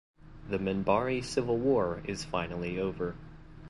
The Minbari civil war is finally over.